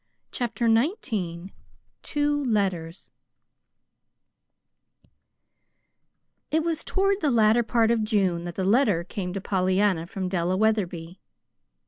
CHAPTER XIX TWO LETTERS It was toward the latter part of June that the letter came to Pollyanna from Della Wetherby.